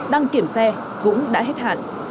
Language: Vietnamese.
đăng kiểm xe cũng đã hết hạn